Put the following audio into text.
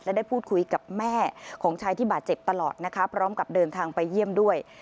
และได้พูดคุยกับแม่ของชายที่บาดเจ็บตลอดนะคะพร้อมกับเดินทางไปเยี่ยมด้วย